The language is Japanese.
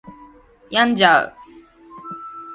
病んじゃう